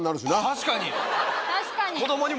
確かに。